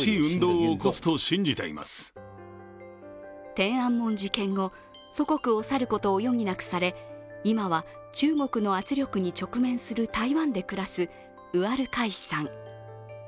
天安門事件後、祖国を去ることを余儀なくされ今は中国の圧力に直面する台湾で暮らすウアルカイシさん。